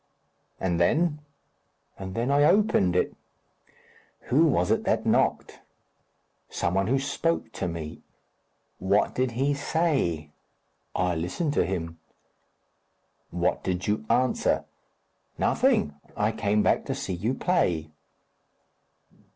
"And then?" "And then I opened it." "Who was it that knocked?" "Some one who spoke to me." "What did he say?" "I listened to him." "What did you answer?" "Nothing. I came back to see you play."